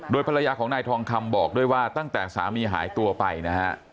ภรรยาของนายทองคำบอกด้วยว่าตั้งแต่สามีหายตัวไปนะฮะ